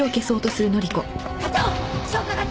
課長！